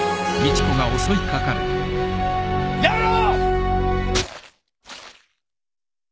やめろ！